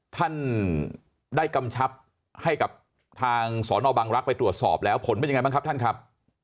ท่านได้กำชับให้กับทางสอนอบังรักษ์ไปตรวจสอบแล้วผลเป็นยังไงบ้างครับท่านครับ